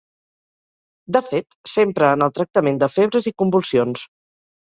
De fet, s'empra en el tractament de febres i convulsions.